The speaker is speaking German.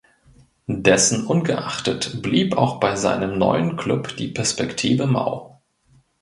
Dessen ungeachtet blieb auch bei seinem neuen Klub die Perspektive mau.